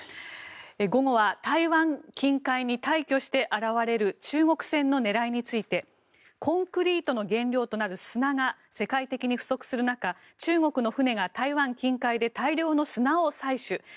午後は台湾近海に大挙して現れる中国船の狙いについてコンクリートの原料となる砂が世界的に不足する中中国の船が台湾近海で大量の砂を採取。